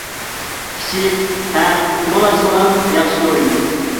كىچىك، ھەم كۆڭۈل ئاچىدىغان ياخشى ئويۇن.